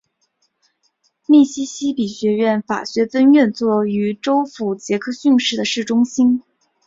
密西西比学院法学分院坐落于州府杰克逊市的市中心。